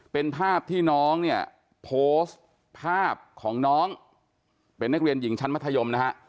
เป็นภาพที่น้องเนี่ยโพสต์ภาพของน้องเป็นนักเรียนหญิงชั้นมัธยมนะฮะ